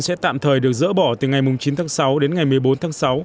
sẽ tạm thời được dỡ bỏ từ ngày chín tháng sáu đến ngày một mươi bốn tháng sáu